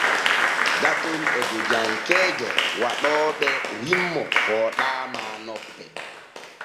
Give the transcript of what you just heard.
Gatol e gojankeejo waɗooɓe rimmo fooɗaama nope.